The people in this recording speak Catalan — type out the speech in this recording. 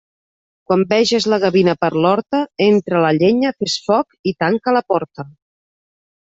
Quan veges la gavina per l'horta, entra la llenya, fes foc i tanca la porta.